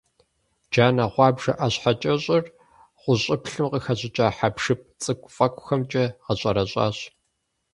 Джанэ гъуабжэ ӀэщхьэкӀэщӀыр гъущӀыплъым къыхэщӀыкӀа хьэпшып цӀыкӀуфэкӀухэмкӀэ гъэщӀэрэщӀащ.